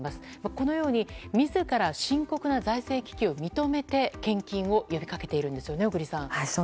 このように自ら深刻な財政危機を認めて献金を呼び掛けているんですよね小栗さん。